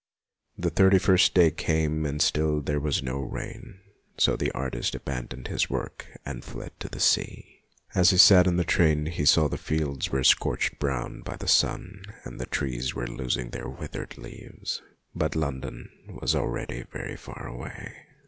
The thirty first day came and still there was no rain, so the artist abandoned his work and fled to the sea. As he sat in the train he saw that the fields were scorched brown by the sun and the trees were losing their withered leaves ; but London was already very far away.